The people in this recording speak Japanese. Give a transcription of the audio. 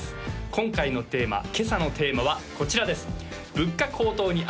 今回のテーマ今朝のテーマはこちらです